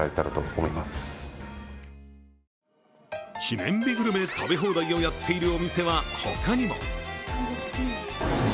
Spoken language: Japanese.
記念日グルメ食べ放題をやっているお店は他にも。